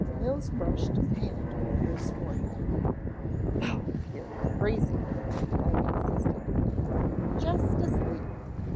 Mills brushed his hand over his forehead. "Oh, you're crazy," Lang insisted. "Just asleep.